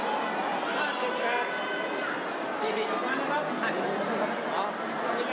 น้องน้องจะพูดหนึ่งนะครับร่างกายสูงรุ่นเสียงแรงนะครับ